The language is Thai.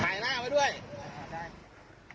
ผมไม่ลบทิ้งด้วยเลยเนี่ยถ่ายหน้าไว้ด้วยได้